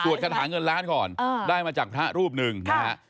คาถาเงินล้านก่อนได้มาจากพระรูปหนึ่งนะฮะ